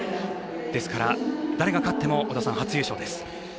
ですから誰が勝っても初優勝です。